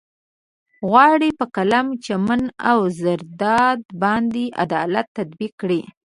غواړي په قلم، چمن او زرداد باندې عدالت تطبيق کړي.